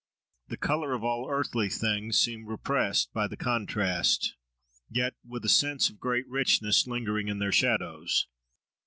The colour of all earthly things seemed repressed by the contrast, yet with a sense of great richness lingering in their shadows.